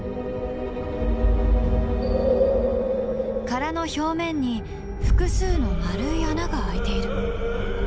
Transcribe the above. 殻の表面に複数の丸い穴が開いている。